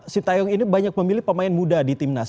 si tayong ini banyak memilih pemain muda di timnas